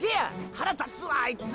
腹立つわあいつ！！